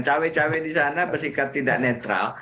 cewek cewek di sana pasti tidak netral